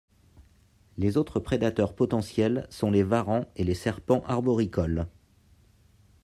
Les autres prédateurs potentiels sont les varans et les serpents arboricoles.